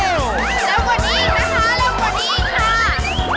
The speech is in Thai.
เริ่มกว่านี้นะคะเริ่มกว่านี้ค่ะ